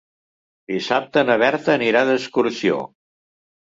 Dissabte na Berta anirà d'excursió.